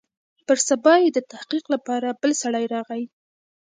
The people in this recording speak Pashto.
پر سبا يې د تحقيق لپاره بل سړى راغى.